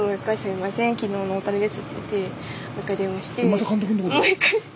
また監督のとこに？